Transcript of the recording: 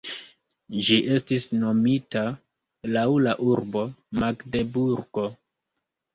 Ĝi estis nomita laŭ la urbo Magdeburgo.